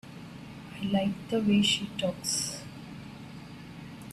I like the way she talks.